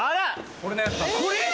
これのやつなんだ。